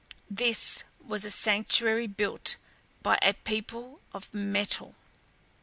This was a sanctuary built by a people of metal!